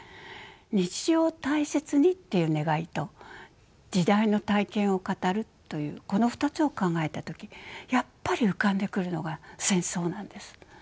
日常を大切にっていう願いと時代の体験を語るというこの２つを考えた時やっぱり浮かんでくるのが戦争なんです。